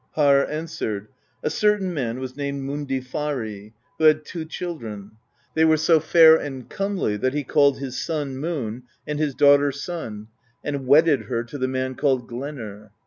Harr answered: "A certain man was named Mundilfari, who had two children; they were so fair and comely that he called his son Moon, and his daughter Sun, and wedded her to the man called Glenr.